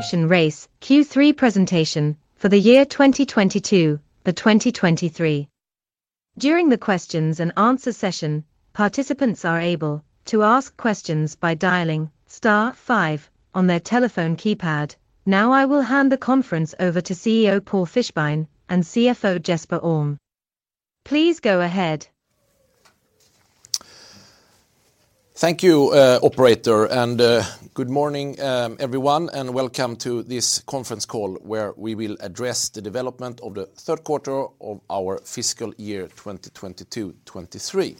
RevolutionRace Q3 presentation for the year 2022-2023. During the questions-and-answer session, participants are able to ask questions by dialing Star five on their telephone keypad. Now I will hand the conference over to CEO Paul Fischbein and CFO Jesper Alm. Please go ahead. Thank you, operator. Good morning, everyone, and welcome to this conference call, where we will address the development of the third quarter of our fiscal year 2022/2023.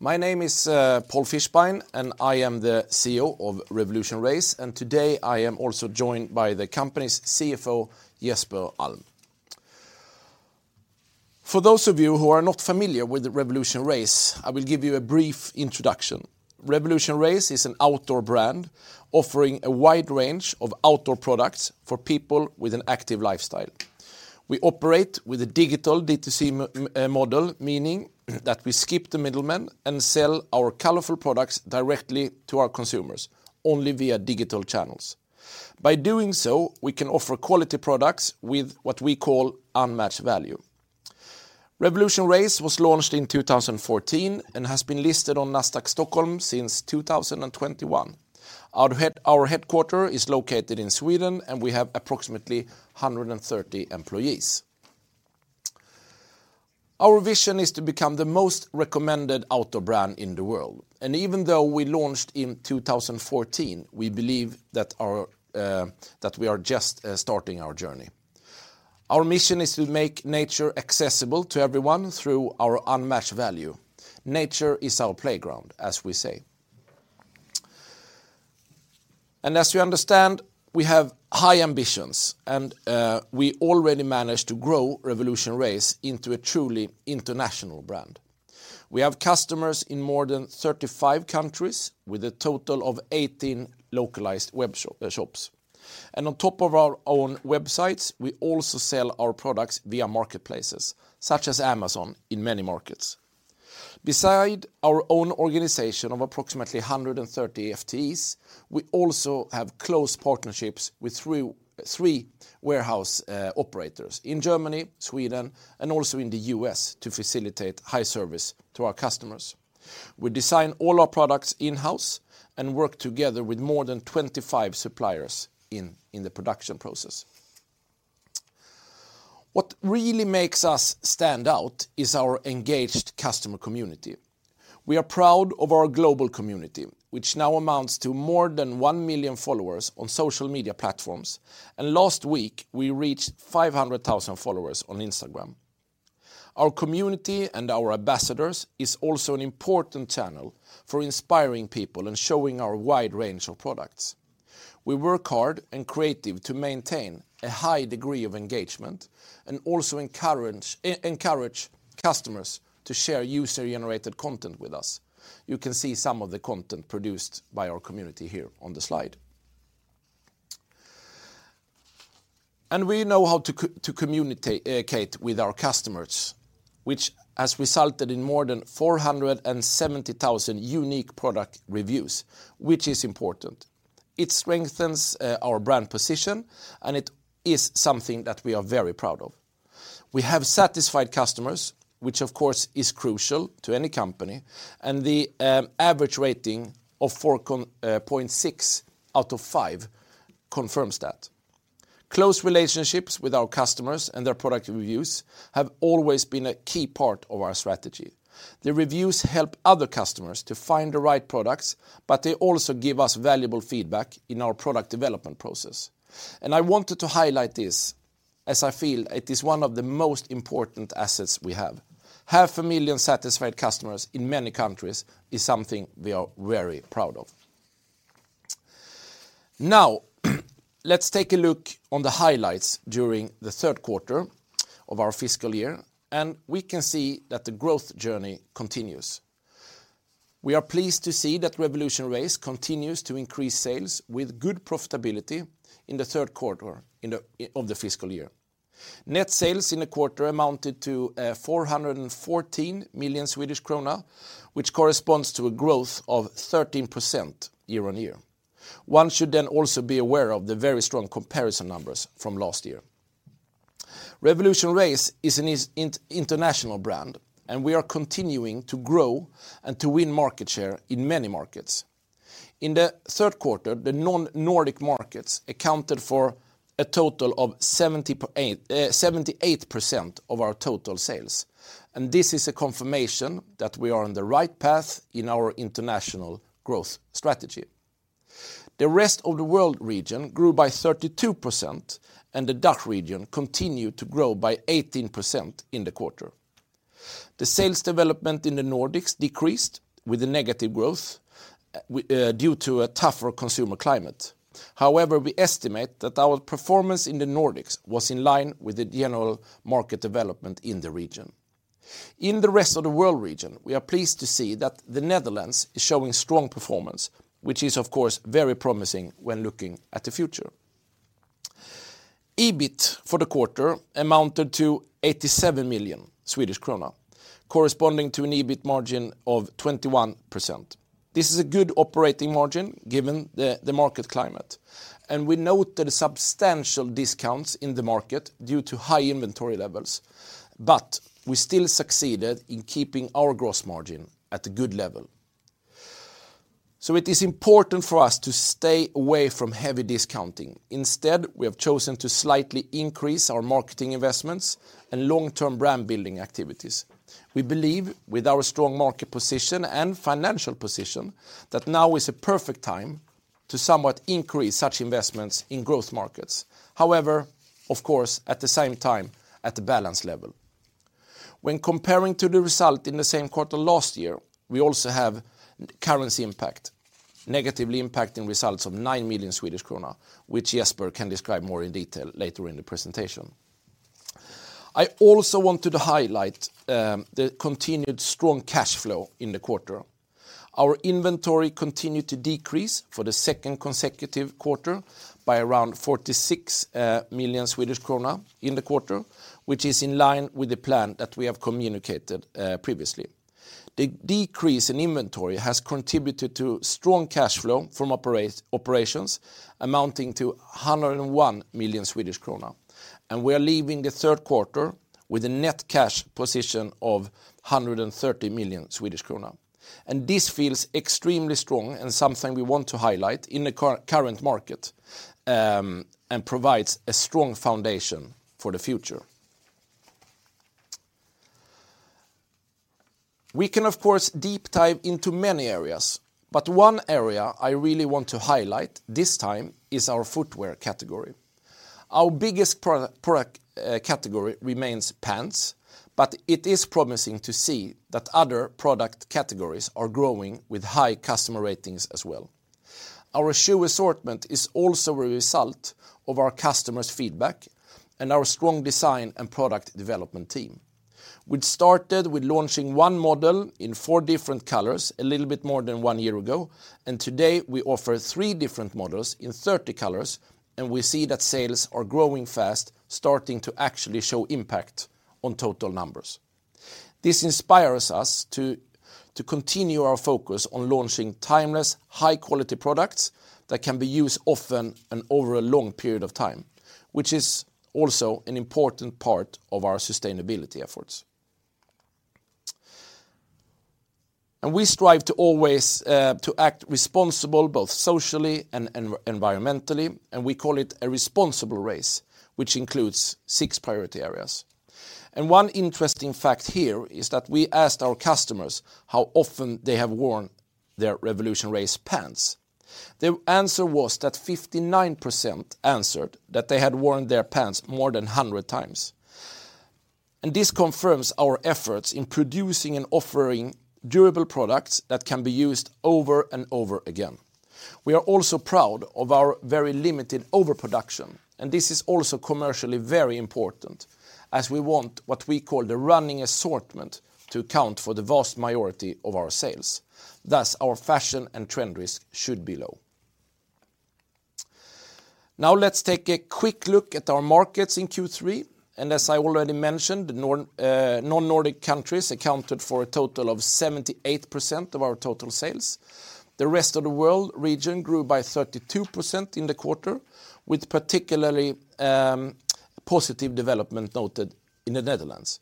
My name is Paul Fischbein, and I am the CEO of RevolutionRace. Today, I am also joined by the company's CFO, Jesper Alm. For those of you who are not familiar with RevolutionRace, I will give you a brief introduction. RevolutionRace is an outdoor brand offering a wide range of outdoor products for people with an active lifestyle. We operate with a digital D2C model, meaning that we skip the middlemen and sell our colorful products directly to our consumers only via digital channels. By doing so, we can offer quality products with what we call unmatched value. RevolutionRace was launched in 2014 and has been listed on Nasdaq Stockholm since 2021. Our headquarter is located in Sweden, and we have approximately 130 employees. Our vision is to become the most recommended outdoor brand in the world. Even though we launched in 2014, we believe that we are just starting our journey. Our mission is to make nature accessible to everyone through our unmatched value. Nature is our playground, as we say. As you understand, we have high ambitions, and we already managed to grow RevolutionRace into a truly international brand. We have customers in more than 35 countries with a total of 18 localized webshops. On top of our own websites, we also sell our products via marketplaces such as Amazon in many markets. Beside our own organization of approximately 130 FTEs, we also have close partnerships with 3 warehouse operators in Germany, Sweden, and also in the U.S. to facilitate high service to our customers. We design all our products in-house and work together with more than 25 suppliers in the production process. What really makes us stand out is our engaged customer community. We are proud of our global community, which now amounts to more than 1 million followers on social media platforms. Last week, we reached 500,000 followers on Instagram. Our community and our ambassadors is also an important channel for inspiring people and showing our wide range of products. We work hard and creative to maintain a high degree of engagement and also encourage customers to share user-generated content with us. You can see some of the content produced by our community here on the slide. We know how to communicate, advocate with our customers, which has resulted in more than 470,000 unique product reviews, which is important. It strengthens our brand position. It is something that we are very proud of. We have satisfied customers, which of course is crucial to any company. The average rating of 4.6 out of 5 confirms that. Close relationships with our customers and their product reviews have always been a key part of our strategy. The reviews help other customers to find the right products. They also give us valuable feedback in our product development process. I wanted to highlight this as I feel it is one of the most important assets we have. 500,000 satisfied customers in many countries is something we are very proud of. Let's take a look on the highlights during the third quarter of our fiscal year. We can see that the growth journey continues. We are pleased to see that RevolutionRace continues to increase sales with good profitability in the third quarter of the fiscal year. Net sales in the quarter amounted to 414 million Swedish krona, which corresponds to a growth of 13% year-on-year. One should also be aware of the very strong comparison numbers from last year. RevolutionRace is an international brand. We are continuing to grow and to win market share in many markets. In the third quarter, the non-Nordic markets accounted for a total of 78% of our total sales. This is a confirmation that we are on the right path in our international growth strategy. The Rest of the World region grew by 32%, and the DACH region continued to grow by 18% in the quarter. The sales development in the Nordics decreased, with a negative growth due to a tougher consumer climate. However, we estimate that our performance in the Nordics was in line with the general market development in the region. In the Rest of the World region, we are pleased to see that the Netherlands is showing strong performance, which is of course very promising when looking at the future. EBIT for the quarter amounted to 87 million Swedish krona, corresponding to an EBIT margin of 21%. This is a good operating margin given the market climate, and we note the substantial discounts in the market due to high inventory levels. We still succeeded in keeping our gross margin at a good level. It is important for us to stay away from heavy discounting. Instead, we have chosen to slightly increase our marketing investments and long-term brand-building activities. We believe, with our strong market position and financial position, that now is a perfect time to somewhat increase such investments in growth markets. Of course, at the same time, at the balance level. When comparing to the result in the same quarter last year, we also have currency impact, negatively impacting results of 9 million Swedish kronor, which Jesper can describe more in detail later in the presentation. I also wanted to highlight the continued strong cash flow in the quarter. Our inventory continued to decrease for the second consecutive quarter by around 46 million Swedish krona in the quarter, which is in line with the plan that we have communicated previously. The decrease in inventory has contributed to strong cash flow from operations amounting to 101 million Swedish krona. We are leaving the third quarter with a net cash position of 130 million Swedish krona. This feels extremely strong and something we want to highlight in the current market and provides a strong foundation for the future. We can, of course, deep dive into many areas, but one area I really want to highlight this time is our footwear category. Our biggest product category remains pants, but it is promising to see that other product categories are growing with high customer ratings as well. Our shoe assortment is also a result of our customers' feedback and our strong design and product development team. We'd started with launching one model in four different colors a little bit more than one year ago. Today we offer three different models in 30 colors, and we see that sales are growing fast, starting to actually show impact on total numbers. This inspires us to continue our focus on launching timeless, high-quality products that can be used often and over a long period of time, which is also an important part of our sustainability efforts. We strive to always to act responsible both socially and environmentally, and we call it A Responsible Race, which includes six priority areas. One interesting fact here is that we asked our customers how often they have worn their RevolutionRace pants. The answer was that 59% answered that they had worn their pants more than 100x. This confirms our efforts in producing and offering durable products that can be used over and over again. We are also proud of our very limited overproduction, and this is also commercially very important, as we want what we call the running assortment to account for the vast majority of our sales. Thus, our fashion and trend risk should be low. Now let's take a quick look at our markets in Q3. As I already mentioned, the non-Nordic countries accounted for a total of 78% of our total sales. The Rest of the World region grew by 32% in the quarter, with particularly positive development noted in the Netherlands.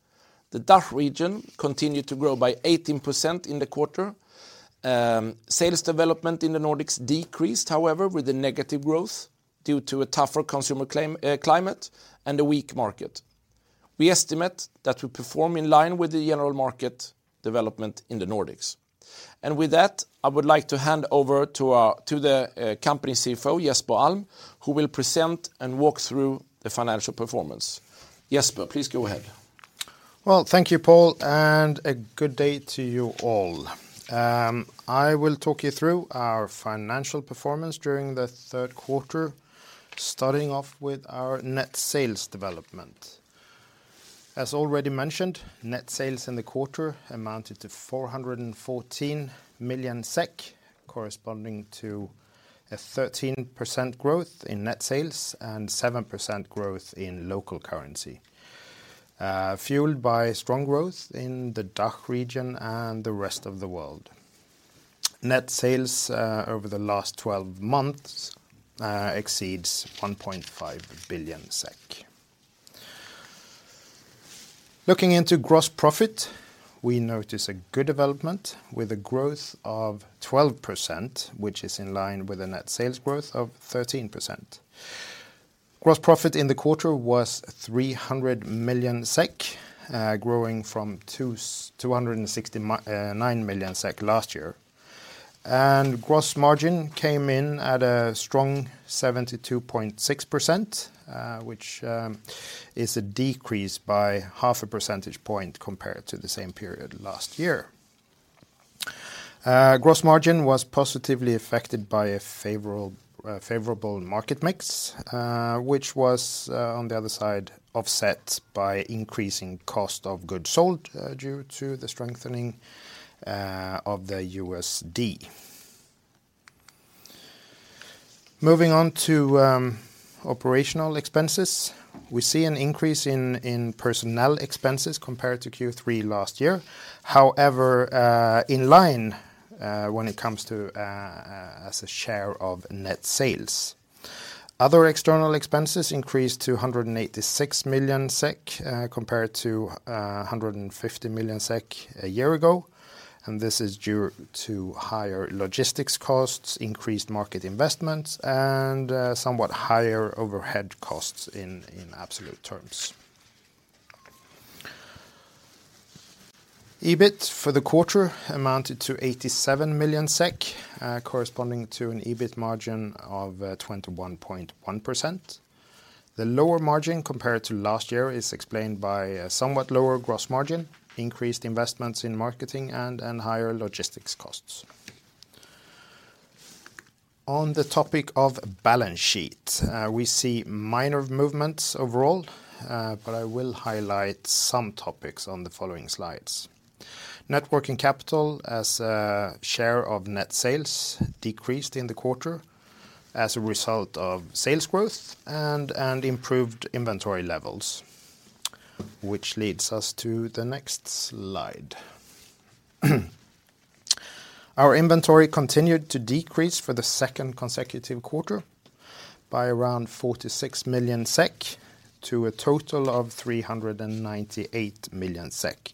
The DACH region continued to grow by 18% in the quarter. Sales development in the Nordics decreased, however, with the negative growth due to a tougher consumer climate and a weak market. We estimate that we perform in line with the general market development in the Nordics. With that, I would like to hand over to the company CFO, Jesper Alm, who will present and walk through the financial performance. Jesper, please go ahead. Well, thank you, Paul, and a good day to you all. I will talk you through our financial performance during the third quarter, starting off with our net sales development. As already mentioned, net sales in the quarter amounted to 414 million SEK, corresponding to a 13% growth in net sales and 7% growth in local currency, fueled by strong growth in the DACH region and the rest of the world. Net sales, over the last 12 months, exceeds SEK 1.5 billion. Looking into gross profit, we notice a good development with a growth of 12%, which is in line with a net sales growth of 13%. Gross profit in the quarter was 300 million SEK, growing from 269 million SEK last year. Gross margin came in at a strong 72.6%, which is a decrease by 0.5% point compared to the same period last year. Gross margin was positively affected by a favorable market mix, which was on the other side, offset by increasing cost of goods sold due to the strengthening of the USD. Moving on to operational expenses. We see an increase in personnel expenses compared to Q3 last year. However, in line when it comes to as a share of net sales. Other external expenses increased to 186 million SEK compared to 150 million SEK a year ago. This is due to higher logistics costs, increased market investments, and somewhat higher overhead costs in absolute terms. EBIT for the quarter amounted to 87 million SEK, corresponding to an EBIT margin of 21.1%. The lower margin compared to last year is explained by a somewhat lower gross margin, increased investments in marketing, and higher logistics costs. On the topic of balance sheet, we see minor movements overall, but I will highlight some topics on the following slides. Net working capital as a share of net sales decreased in the quarter as a result of sales growth and improved inventory levels, which leads us to the next slide. Our inventory continued to decrease for the second consecutive quarter by around 46 million SEK to a total of 398 million SEK,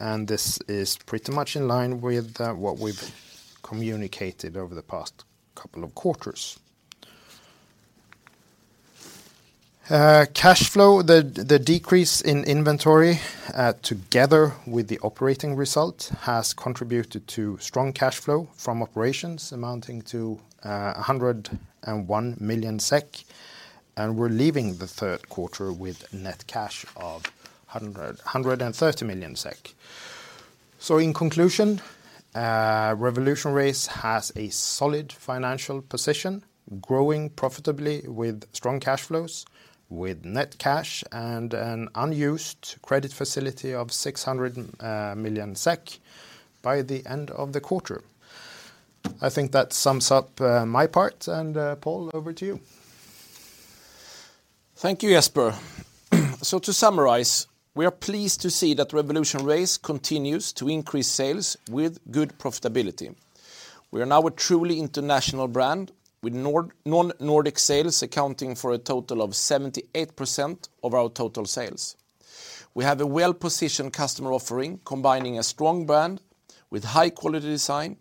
and this is pretty much in line with what we've communicated over the past couple of quarters. Cash flow. The decrease in inventory, together with the operating result, has contributed to strong cash flow from operations amounting to 101 million SEK, and we're leaving the third quarter with net cash of 130 million SEK. In conclusion, RevolutionRace has a solid financial position, growing profitably with strong cash flows, with net cash and an unused credit facility of 600 million SEK by the end of the quarter. I think that sums up my part and Paul, over to you. Thank you, Jesper. To summarize, we are pleased to see that RevolutionRace continues to increase sales with good profitability. We are now a truly international brand with non-Nordic sales accounting for a total of 78% of our total sales. We have a well-positioned customer offering, combining a strong brand with high-quality design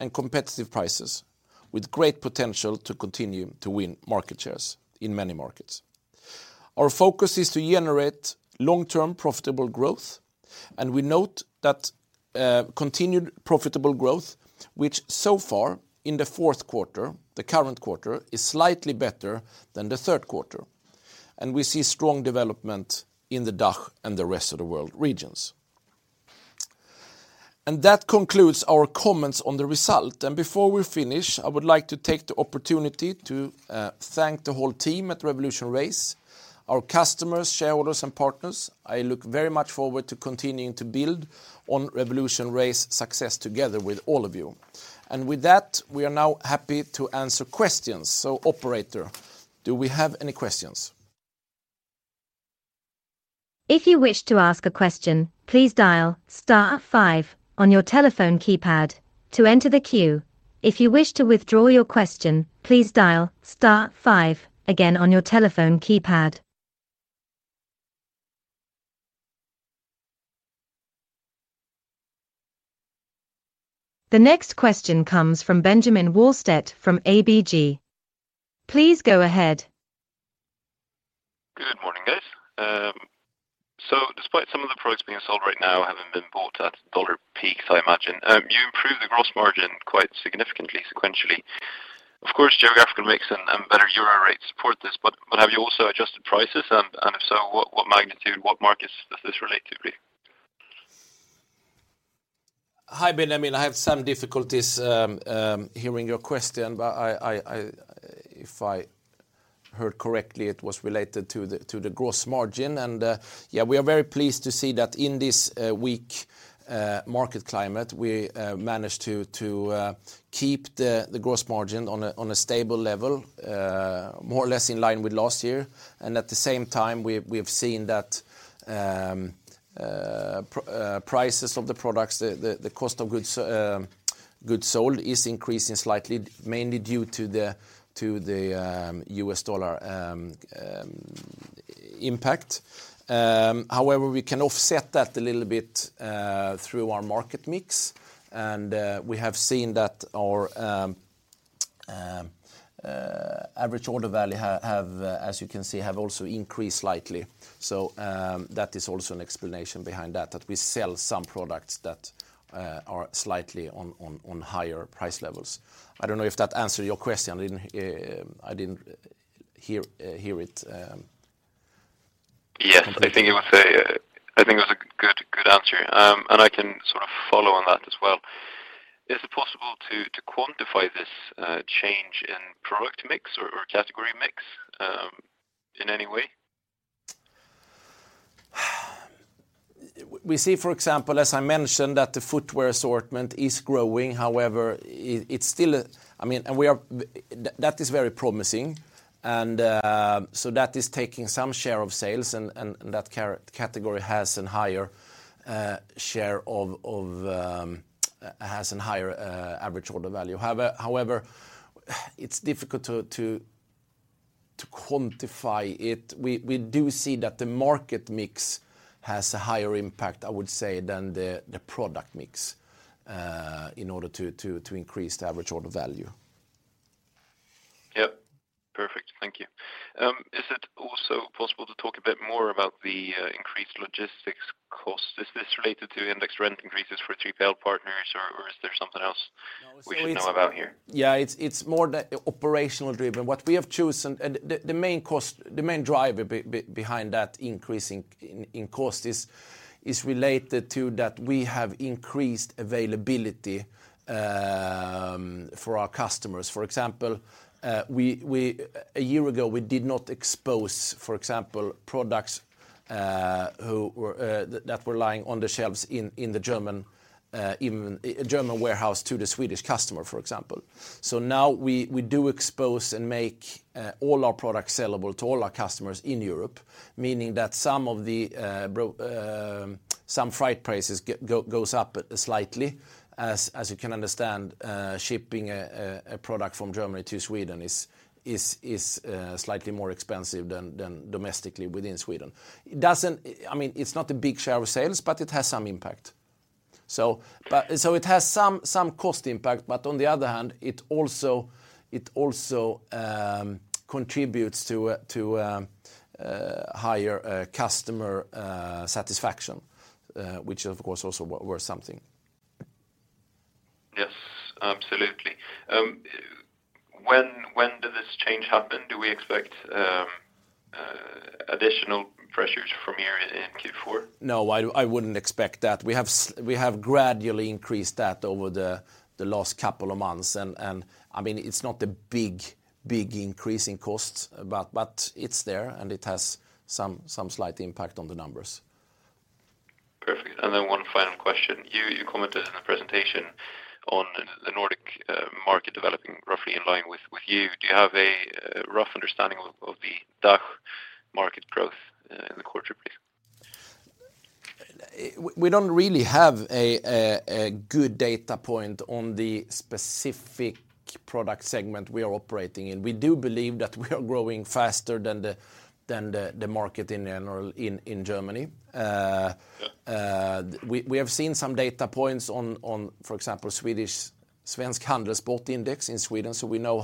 and competitive prices, with great potential to continue to win market shares in many markets. Our focus is to generate long-term profitable growth, and we note that continued profitable growth, which so far in the fourth quarter, the current quarter, is slightly better than the third quarter, and we see strong development in the DACH and the rest of the world regions. That concludes our comments on the result. Before we finish, I would like to take the opportunity to thank the whole team at RevolutionRace, our customers, shareholders, and partners. I look very much forward to continuing to build on RevolutionRace's success together with all of you. With that, we are now happy to answer questions. Operator, do we have any questions? If you wish to ask a question, please dial Star five on your telephone keypad to enter the queue. If you wish to withdraw your question, please dial Star five again on your telephone keypad. The next question comes from Benjamin Wahlstedt from ABG. Please go ahead. Good morning, guys. Despite some of the products being sold right now haven't been bought at dollar peaks, I imagine, you improved the gross margin quite significantly sequentially. Of course, geographical mix and better euro rates support this, but have you also adjusted prices? If so, what magnitude, what markets does this relate to, please? Hi, Benjamin. I have some difficulties hearing your question, but if I heard correctly, it was related to the gross margin. Yeah, we are very pleased to see that in this weak market climate, we managed to keep the gross margin on a stable level, more or less in line with last year. At the same time, we have seen that prices of the products, the cost of goods sold is increasing slightly, mainly due to the U.S. dollar impact. However, we can offset that a little bit through our market mix. We have seen that our average order value, as you can see, have also increased slightly. That is also an explanation behind that we sell some products that are slightly on higher price levels. I don't know if that answered your question? I didn't hear it completely. Yes. I think it was a good answer. I can sort of follow on that as well. Is it possible to quantify this change in product mix or category mix in any way? We see, for example, as I mentioned, that the Footwear Assortment is growing. However, it's still, I mean. That is very promising and so that is taking some share of sales and that category has an higher share of has an higher average order value. However, it's difficult to quantify it. We do see that the market mix has a higher impact, I would say, than the product mix, in order to increase the average order value. Yep. Perfect. Thank you. Is it also possible to talk a bit more about the increased logistics costs? Is this related to index rent increases for 3PL partners or is there something else we should know about here? It's more the operational driven. The main cost, the main driver behind that increase in cost is related to that we have increased availability for our customers. For example, a year ago, we did not expose, for example, products that were lying on the shelves in the German warehouse to the Swedish customer, for example. Now we do expose and make all our products sellable to all our customers in Europe, meaning that some of the freight prices goes up slightly. As you can understand, shipping a product from Germany to Sweden is slightly more expensive than domestically within Sweden. I mean, it's not a big share of sales, but it has some impact. It has some cost impact, on the other hand, it also contributes to higher customer satisfaction, which of course also worth something. Yes. Absolutely. When did this change happen? Do we expect additional pressures from here in Q4? No, I wouldn't expect that. We have gradually increased that over the last couple of months and I mean, it's not a big increase in costs, but it's there and it has some slight impact on the numbers. Perfect. Then one final question. You commented in the presentation on the Nordic market developing roughly in line with you. Do you have a rough understanding of the DACH market growth in the quarter, please? We don't really have a good data point on the specific product segment we are operating in. We do believe that we are growing faster than the market in general in Germany. Yep. We have seen some data points on, for example, Svensk Handel Sportindex in Sweden, so we know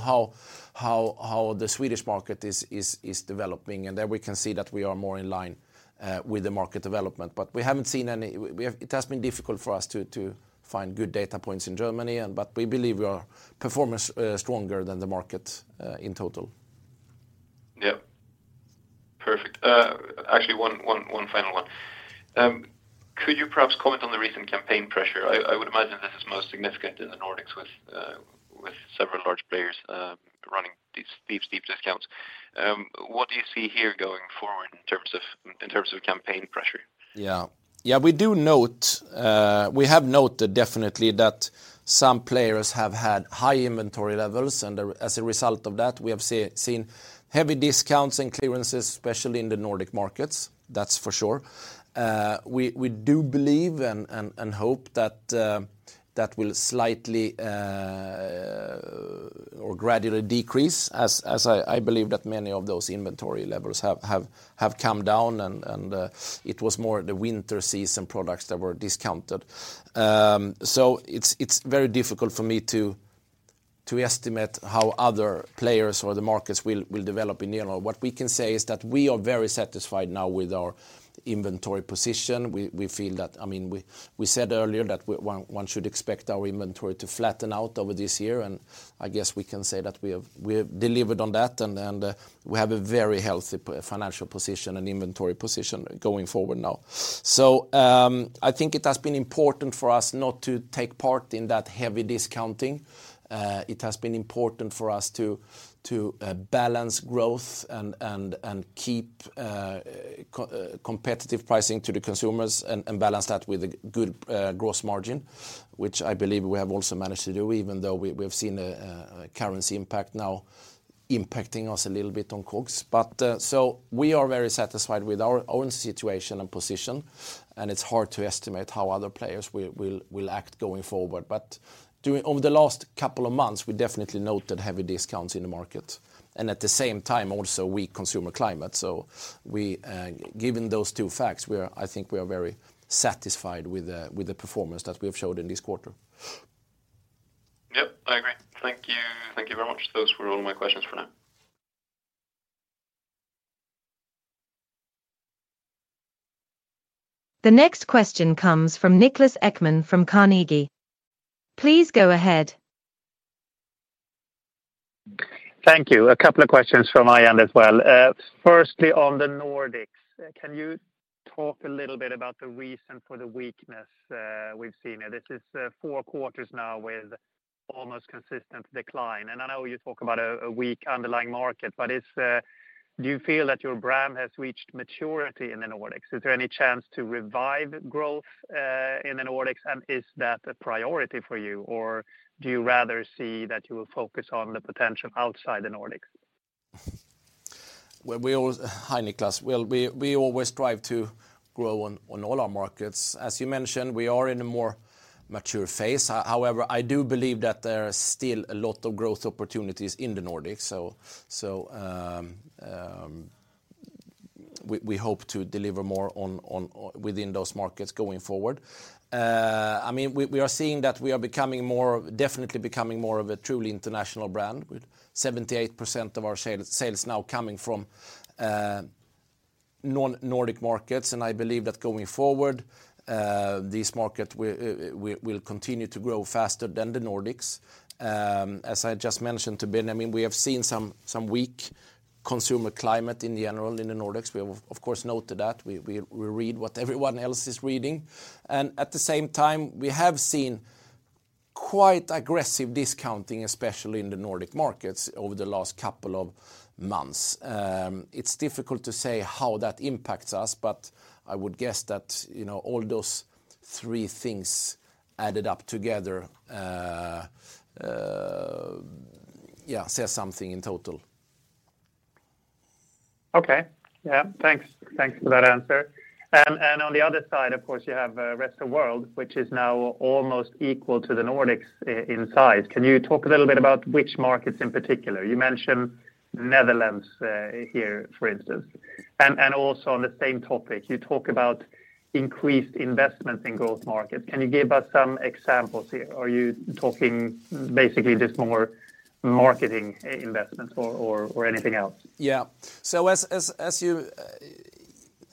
how the Swedish market is developing, and there we can see that we are more in line with the market development. We haven't seen any. It has been difficult for us to find good data points in Germany. We believe we are performance stronger than the market in total. Yep. Perfect. Actually one final one. Could you perhaps comment on the recent campaign pressure? I would imagine this is most significant in the Nordics with several large players running these deep discounts. What do you see here going forward in terms of campaign pressure? Yeah. Yeah, we do note, we have noted definitely that some players have had high inventory levels, and as a result of that, we have seen heavy discounts and clearances, especially in the Nordic markets. That's for sure. We do believe and hope that will slightly or gradually decrease as I believe that many of those inventory levels have come down and it was more the winter season products that were discounted. It's very difficult for me to estimate how other players or the markets will develop in general. What we can say is that we are very satisfied now with our inventory position. We feel that. I mean, we said earlier that one should expect our inventory to flatten out over this year, and I guess we can say that we have delivered on that and, uh, we have a very healthy financial position and inventory position going forward now. I think it has been important for us not to take part in that heavy discounting. It has been important for us to, uh, balance growth and keep competitive pricing to the consumers and balance that with a good gross margin, which I believe we have also managed to do, even though we've seen a currency impact now impacting us a little bit on costs. So we are very satisfied with our own situation and position, and it's hard to estimate how other players will act going forward. Over the last couple of months, we definitely noted heavy discounts in the market. At the same time, also weak consumer climate. Given those two facts, we are, I think we are very satisfied with the performance that we have showed in this quarter. Yep. I agree. Thank you. Thank you very much. Those were all my questions for now. The next question comes from Niklas Ekman from Carnegie. Please go ahead. Thank you. A couple of questions from my end as well. Firstly, on the Nordics, can you talk a little bit about the reason for the weakness we've seen? This is 4 quarters now with almost consistent decline. I know you talk about a weak underlying market, but is, do you feel that your brand has reached maturity in the Nordics? Is there any chance to revive growth in the Nordics and is that a priority for you? Or do you rather see that you will focus on the potential outside the Nordics? Hi, Niklas. Well, we always strive to grow on all our markets. As you mentioned, we are in a more mature phase. However, I do believe that there are still a lot of growth opportunities in the Nordics. We hope to deliver more on within those markets going forward. I mean, we are seeing that we are becoming more, definitely becoming more of a truly international brand with 78% of our sales now coming from non-Nordic markets. I believe that going forward, these markets will continue to grow faster than the Nordics. As I just mentioned to Ben, I mean, we have seen some weak consumer climate in general in the Nordics. We have of course noted that. We read what everyone else is reading. At the same time, we have seen quite aggressive discounting, especially in the Nordic markets over the last couple of months. It's difficult to say how that impacts us, but I would guess that, you know, all those three things added up together, say something in total. Okay. Yeah. Thanks. Thanks for that answer. On the other side, of course, you have, rest of world, which is now almost equal to the Nordics in size. Can you talk a little bit about which markets in particular? You mentioned Netherlands, here, for instance. Also on the same topic, you talk about increased investment in growth markets. Can you give us some examples here? Are you talking basically just more marketing investments or anything else? Yeah.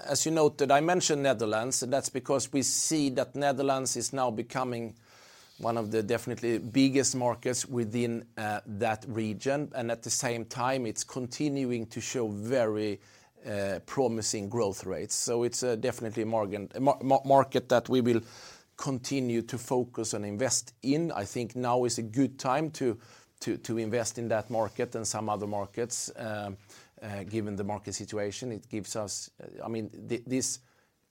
As you noted, I mentioned Netherlands, and that's because we see that Netherlands is now becoming one of the definitely biggest markets within that region. At the same time, it's continuing to show very promising growth rates. It's definitely a market that we will continue to focus and invest in. I think now is a good time to invest in that market and some other markets, given the market situation. It gives us, I mean, this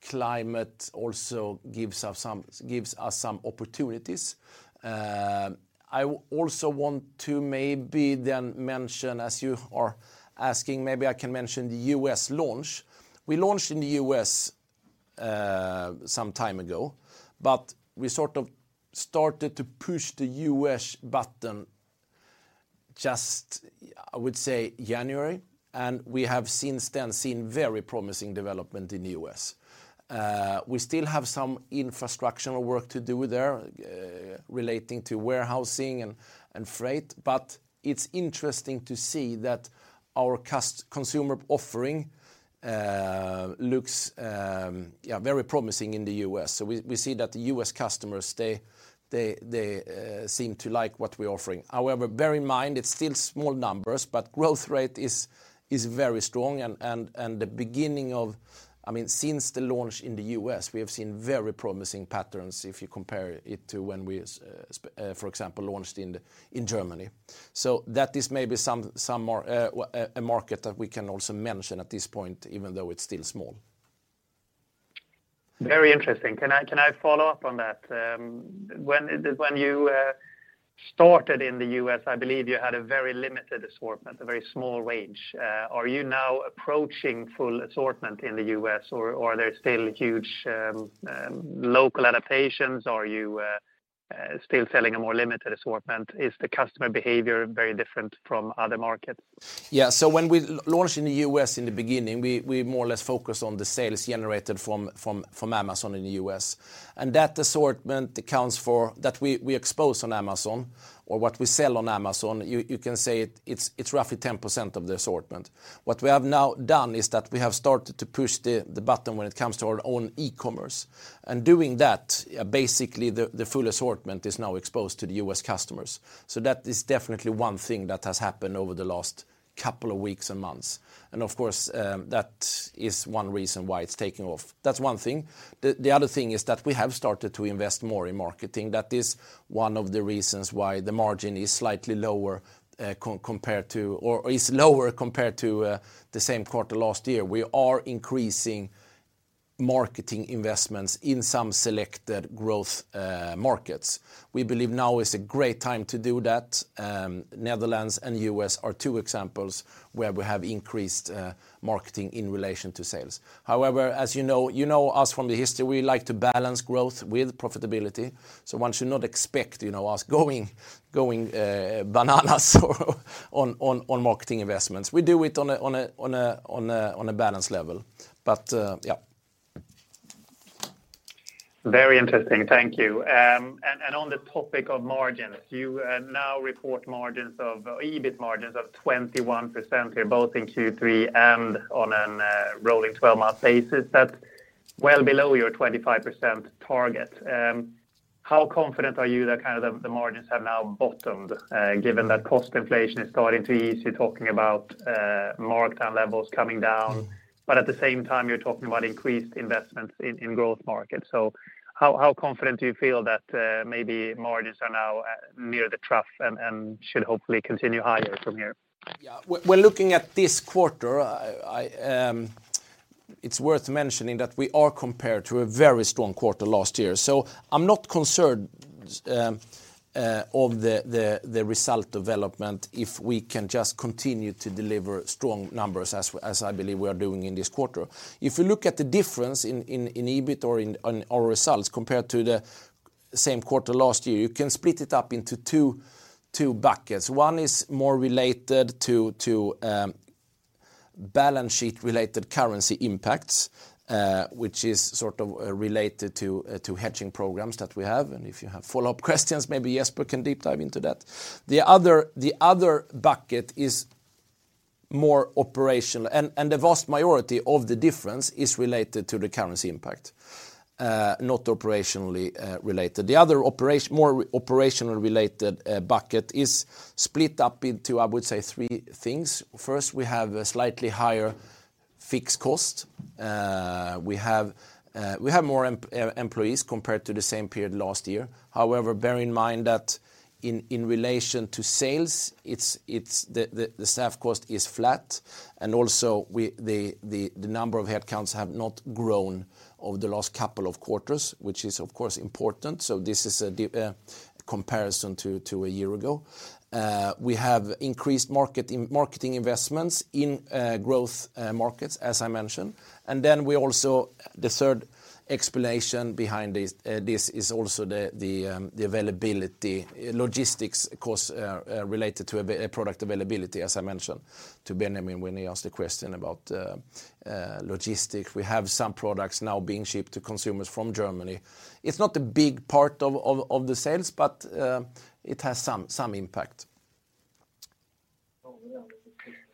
climate also gives us some opportunities. I also want to maybe then mention, as you are asking, maybe I can mention the U.S. launch. We launched in the US some time ago, but we sort of started to push the U.S. button just, I would say January. We have since then seen very promising development in the U.S. We still have some infrastructural work to do there, relating to warehousing and freight. It's interesting to see that our consumer offering looks very promising in the U.S. We see that the U.S. customers, they seem to like what we're offering. However, bear in mind, it's still small numbers, but growth rate is very strong. I mean, since the launch in the U.S., we have seen very promising patterns if you compare it to when we, for example, launched in Germany. That is maybe some more a market that we can also mention at this point, even though it's still small. Very interesting. Can I follow-up on that? When you started in the U.S., I believe you had a very limited assortment, a very small range. Are you now approaching full assortment in the U.S., or are there still huge local adaptations? Are you still selling a more limited assortment? Is the customer behavior very different from other markets? When we launched in the U.S. in the beginning, we more or less focused on the sales generated from Amazon in the U.S. That assortment that we expose on Amazon or what we sell on Amazon, you can say it's roughly 10% of the assortment. What we have now done is that we have started to push the button when it comes to our own e-commerce. Doing that, basically, the full assortment is now exposed to the U.S. customers. That is definitely one thing that has happened over the last couple of weeks and months. Of course, that is one reason why it's taking off. That's one thing. The other thing is that we have started to invest more in marketing. That is one of the reasons why the margin is slightly lower, compared to or is lower compared to, the same quarter last year. We are increasing marketing investments in some selected growth markets. We believe now is a great time to do that. Netherlands and U.S. are two examples where we have increased marketing in relation to sales. As you know, you know us from the history, we like to balance growth with profitability. One should not expect, you know, us going bananas or on marketing investments. We do it on a balance level. Yeah. Very interesting. Thank you. On the topic of margins, you now report EBIT margins of 21% here, both in Q3 and on a rolling 12-month basis. That's well below your 25% target. How confident are you that kind of the margins have now bottomed, given that cost inflation is starting to ease, you're talking about markdown levels coming down, but at the same time, you're talking about increased investments in growth markets. How confident do you feel that maybe margins are now near the trough and should hopefully continue higher from here? When looking at this quarter, I, it's worth mentioning that we are compared to a very strong quarter last year, so I'm not concerned of the result development if we can just continue to deliver strong numbers as I believe we are doing in this quarter. If you look at the difference in EBIT or on our results compared to the same quarter last year, you can split it up into two buckets. One is more related to balance sheet related currency impacts, which is sort of related to hedging programs that we have. If you have follow-up questions, maybe Jesper can deep dive into that. The other bucket is more operational and the vast majority of the difference is related to the currency impact, not operationally related. The other more operational related bucket is split up into, I would say, three things. First, we have a slightly higher fixed cost. We have more employees compared to the same period last year. However, bear in mind that in relation to sales, it's the staff cost is flat. Also the number of headcounts have not grown over the last couple of quarters, which is of course important. This is a comparison to a year ago. We have increased marketing investments in growth markets, as I mentioned. The third explanation behind this is also the availability, logistics costs related to product availability, as I mentioned to Benjamin when he asked a question about logistics. We have some products now being shipped to consumers from Germany. It's not a big part of all the sales, but it has some impact.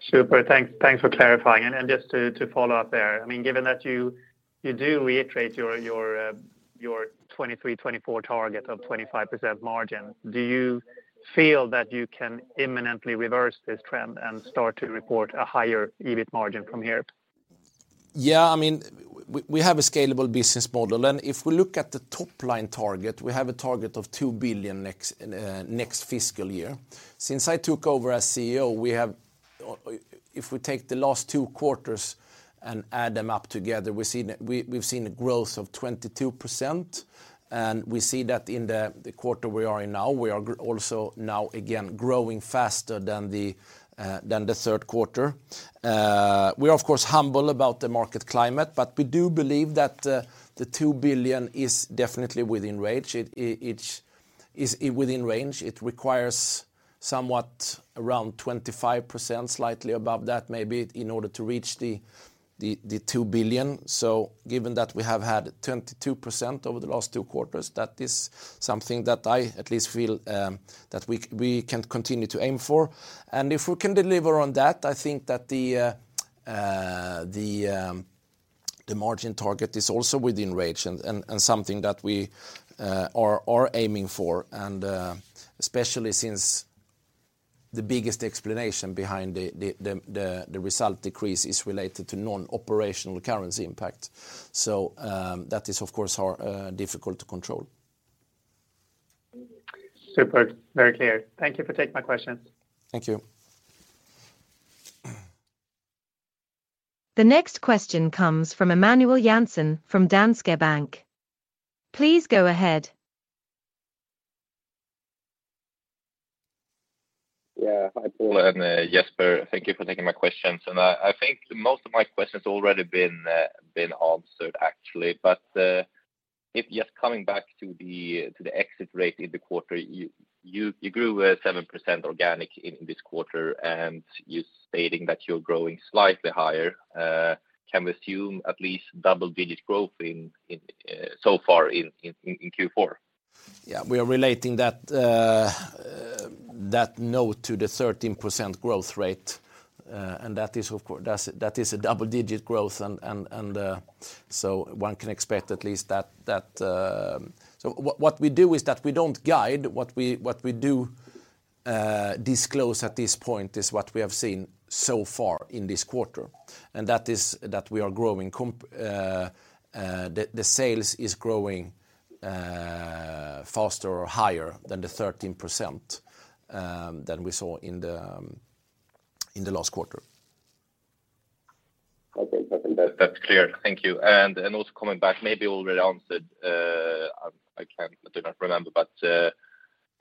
Super. Thanks for clarifying. Just to follow up there, I mean, given that you do reiterate your 2023, 2024 target of 25% margin, do you feel that you can imminently reverse this trend and start to report a higher EBIT margin from here? Yeah. I mean, we have a scalable business model. If we look at the top line target, we have a target of 2 billion next fiscal year. Since I took over as CEO, if we take the last two quarters and add them up together, we've seen a growth of 22%, and we see that in the quarter we are in now. We are also now again growing faster than the third quarter. We are of course humble about the market climate, but we do believe that the 2 billion is definitely within range. It is within range. It requires somewhat around 25%, slightly above that, maybe in order to reach the 2 billion. Given that we have had 22% over the last 2 quarters, that is something that I at least feel that we can continue to aim for. If we can deliver on that, I think that the margin target is also within range and something that we are aiming for, especially since the biggest explanation behind the result decrease is related to non-operational currency impact. That is of course are difficult to control. Super. Very clear. Thank you for taking my questions. Thank you. The next question comes from Emanuel Jansson from Danske Bank. Please go ahead. Yeah. Hi, Paul and Jesper. Thank you for taking my questions. I think most of my questions already been answered actually. If just coming back to the exit rate in the quarter, you grew 7% organic in this quarter, and you're stating that you're growing slightly higher. Can we assume at least double-digit growth in Q4? Yeah, we are relating that note to the 13% growth rate. That is of course that is a double-digit growth and, so one can expect at least that... What we do is that we don't guide. What we do, disclose at this point is what we have seen so far in this quarter. That is that we are growing the sales is growing, faster or higher than the 13%, than we saw in the last quarter. Okay. That's clear. Thank you. Also coming back, maybe you already answered, I do not remember, but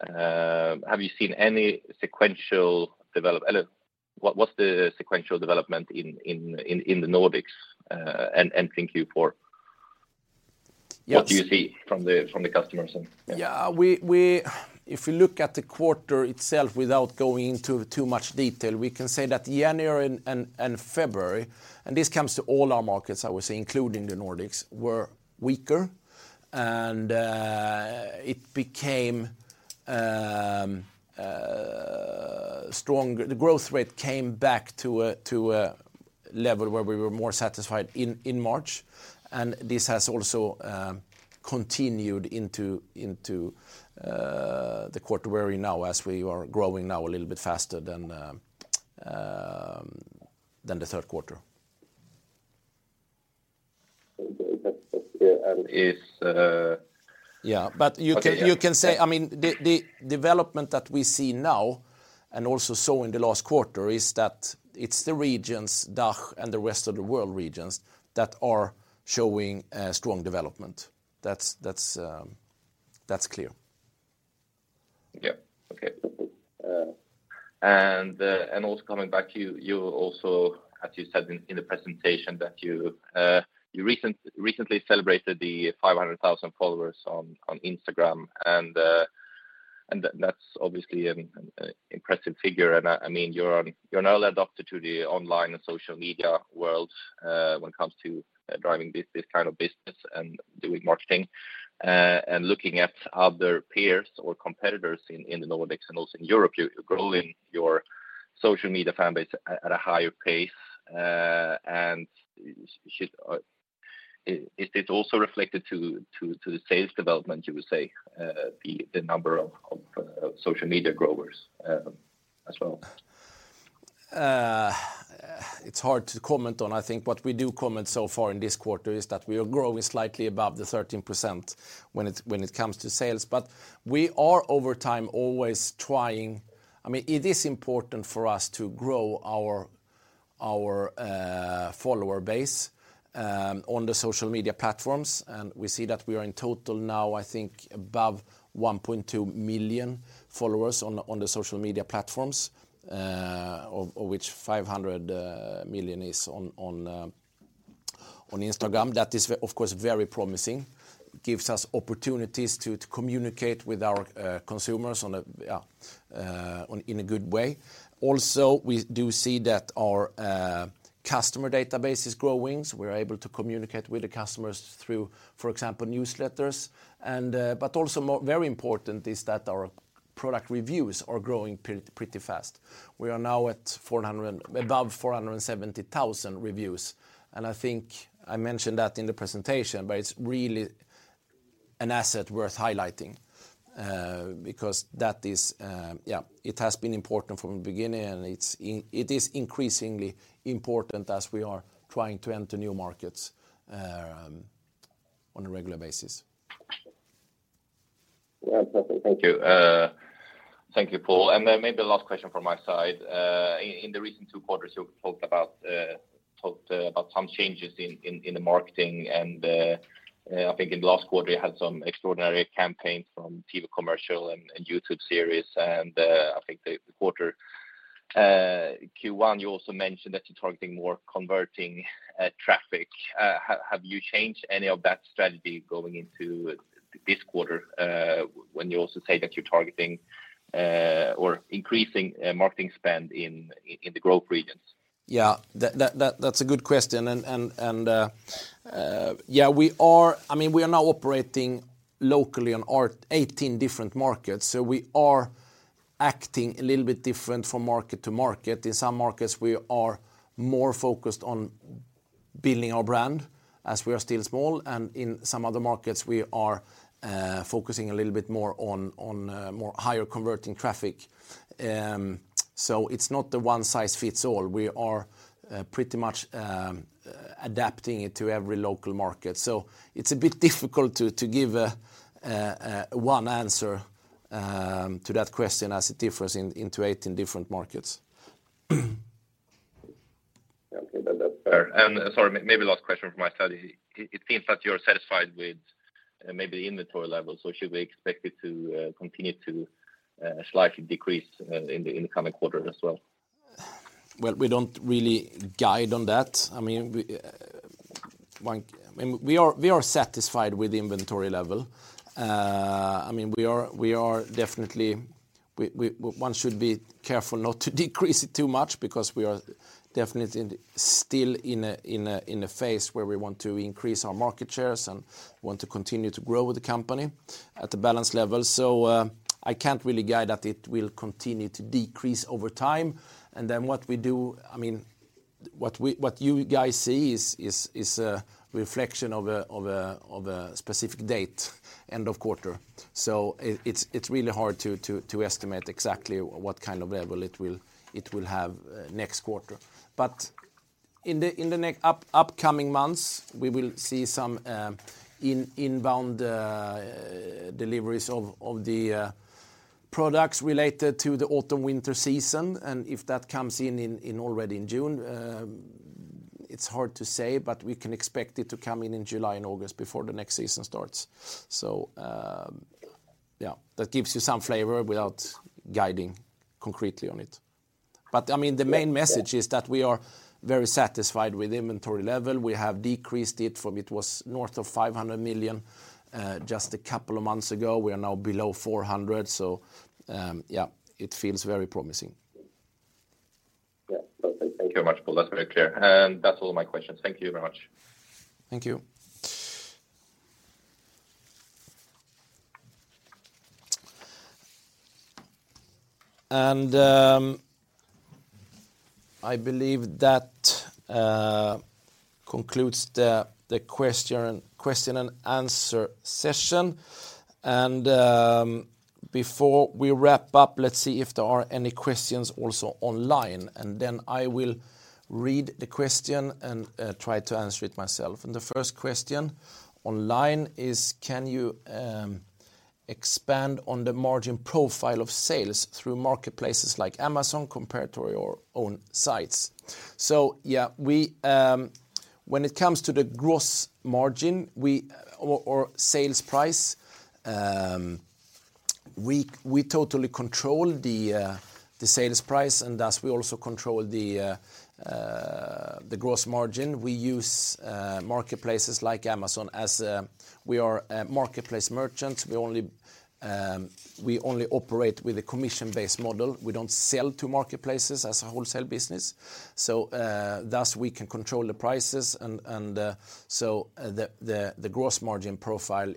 have you seen any sequential develop? What's the sequential development in the Nordics, entering Q4? Yes. What do you see from the customers and, yeah? Yeah. If you look at the quarter itself without going into too much detail, we can say that January and February, and this comes to all our markets, I would say, including the Nordics, were weaker. It became stronger. The growth rate came back to a level where we were more satisfied in March. This has also continued into the quarter we're in now as we are growing now a little bit faster than the third quarter. Yeah, is. You can say, I mean, the development that we see now and also saw in the last quarter is that it's the regions, DACH and the rest of the world regions, that are showing strong development. That's clear. Yeah. Okay. And also coming back to you also, as you said in the presentation that you recently celebrated the 500,000 followers on Instagram, and that's obviously an impressive figure. I mean, you're now adapted to the online and social media world, when it comes to driving this kind of business and doing marketing. Looking at other peers or competitors in the Nordics and also in Europe, you're growing your social media fan base at a higher pace. Is it also reflected to the sales development, you would say, the number of social media growers as well? It's hard to comment on. I think what we do comment so far in this quarter is that we are growing slightly above the 13% when it comes to sales. We are over time always trying. I mean, it is important for us to grow our follower base on the social media platforms. We see that we are in total now, I think above 1.2 million followers on the social media platforms, of which 500 million is on Instagram. That is of course, very promising. Gives us opportunities to communicate with our consumers in a good way. We do see that our customer database is growing, so we're able to communicate with the customers through, for example, newsletters. But also more, very important is that our product reviews are growing pretty fast. We are now above 470,000 reviews. I think I mentioned that in the presentation, but it's really an asset worth highlighting, because that is. Yeah, it has been important from the beginning, and it is increasingly important as we are trying to enter new markets on a regular basis. Yeah. Okay. Thank you. Thank you, Paul. Then maybe last question from my side. In the recent 2 quarters, you talked about some changes in the marketing. I think in the last quarter, you had some extraordinary campaigns from TV commercial and YouTube series. I think the quarter Q1, you also mentioned that you're targeting more converting traffic. Have you changed any of that strategy going into this quarter, when you also say that you're targeting or increasing marketing spend in the growth regions? Yeah. That's a good question. I mean, we are now operating locally on our 18 different markets, so we are acting a little bit different from market to market. In some markets, we are more focused on building our brand as we are still small. In some other markets, we are focusing a little bit more on more higher converting traffic. It's not the one-size-fits-all. We are pretty much adapting it to every local market. It's a bit difficult to give a one answer to that question as it differs in 18 different markets. Okay. That's fair. Sorry, maybe last question from my side. It seems that you're satisfied with maybe inventory levels, or should we expect it to continue to slightly decrease in the coming quarter as well? We don't really guide on that. I mean, we, I mean, we are satisfied with the inventory level. I mean, we are definitely, we. One should be careful not to decrease it too much because we are definitely still in a phase where we want to increase our market shares and want to continue to grow the company at a balanced level. I can't really guide that it will continue to decrease over time. What we do, I mean, what you guys see is a reflection of a specific date, end of quarter. It's really hard to estimate exactly what kind of level it will have next quarter. In the upcoming months, we will see some inbound deliveries of the products related to the autumn-winter season. If that comes in already in June, it's hard to say, but we can expect it to come in in July and August before the next season starts. That gives you some flavor without guiding concretely on it. I mean, the main message is that we are very satisfied with inventory level. We have decreased it from, it was north of 500 million just a couple of months ago. We are now below 400 million. It feels very promising. Yeah. Okay. Thank you very much, Paul. That's very clear. That's all my questions. Thank you very much. Thank you. I believe that concludes the question and answer session. Before we wrap up, let's see if there are any questions also online, then I will read the question and try to answer it myself. The first question online is: Can you expand on the margin profile of sales through marketplaces like Amazon compared to your own sites? Yeah, we, when it comes to the gross margin, we or sales price, we totally control the sales price, and thus we also control the gross margin. We use marketplaces like Amazon as we are a marketplace merchant. We only operate with a commission-based model. We don't sell to marketplaces as a wholesale business. Thus we can control the prices and the gross margin profile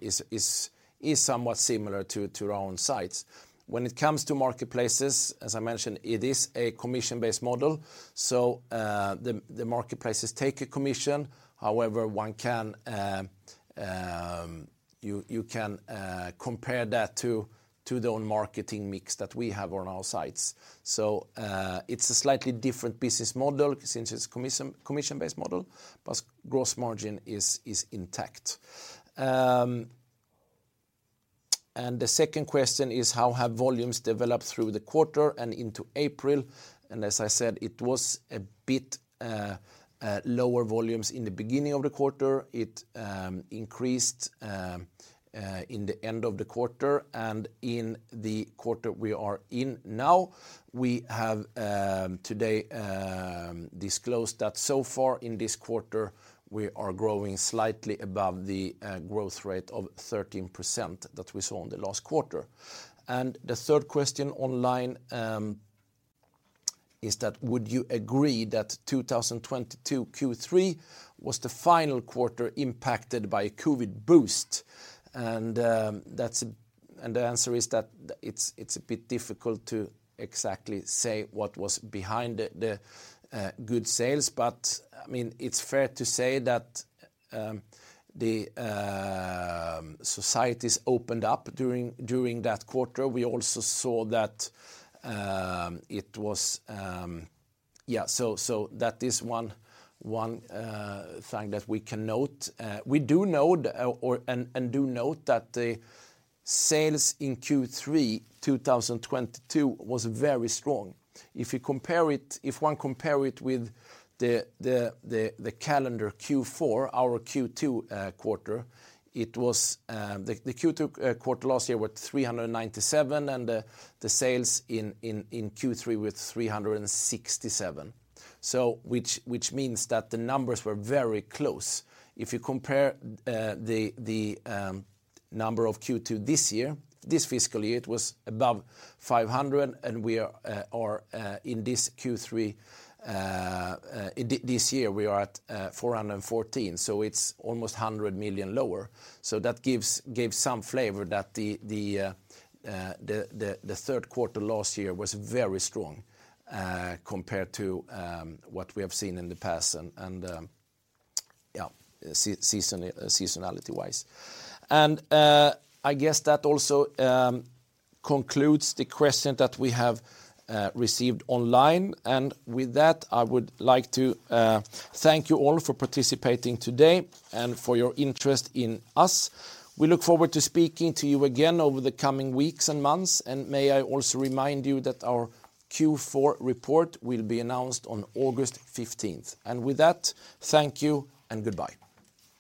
is somewhat similar to our own sites. When it comes to marketplaces, as I mentioned, it is a commission-based model. The marketplaces take a commission. However, one can compare that to their own marketing mix that we have on our sites. It's a slightly different business model since it's commission-based model, but gross margin is intact. The second question is: How have volumes developed through the quarter and into April? As I said, it was a bit lower volumes in the beginning of the quarter. It increased in the end of the quarter. In the quarter we are in now, we have today disclosed that so far in this quarter, we are growing slightly above the growth rate of 13% that we saw in the last quarter. The third question online is that: Would you agree that 2022 Q3 was the final quarter impacted by COVID boost? The answer is that it's a bit difficult to exactly say what was behind the good sales. I mean, it's fair to say that the societies opened up during that quarter. We also saw that it was so that is one thing that we can note. We do note that the sales in Q3 2022 was very strong. If you compare it, if one compare it with the calendar Q4, our Q2 quarter, it was the Q2 quarter last year was 397, and the sales in Q3 were 367, so which means that the numbers were very close. If you compare the number of Q2 this year, this fiscal year, it was above 500, and we are in this Q3 this year we are at 414, so it's almost 100 million lower. That gives some flavor that the third quarter last year was very strong compared to what we have seen in the past and, yeah, seasonality-wise. I guess that also concludes the question that we have received online. With that, I would like to thank you all for participating today and for your interest in us. We look forward to speaking to you again over the coming weeks and months, and may I also remind you that our Q4 report will be announced on August 15th. With that, thank you and goodbye.